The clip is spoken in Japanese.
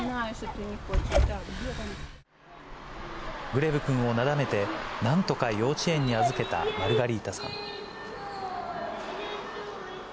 グレブくんをなだめて、なんとか幼稚園に預けたマルガリータさん。